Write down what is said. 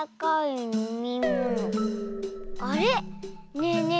ねえねえ